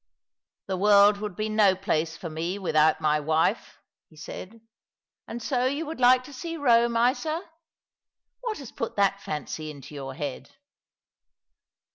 " The world would be no place for me without my wife," he said. " And so you would like to see Rome, Isa ? What has put that fancy into your head